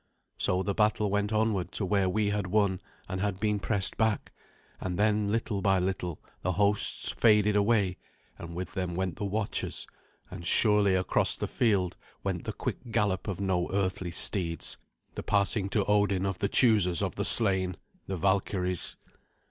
So the battle went onward to where we had won and had been pressed back; and then, little by little, the hosts faded away, and with them went the watchers, and surely across the field went the quick gallop of no earthly steeds, the passing to Odin of the choosers of the slain, the Valkyries.